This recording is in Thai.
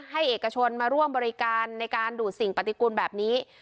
เอกชนมาร่วมบริการในการดูดสิ่งปฏิกุลแบบนี้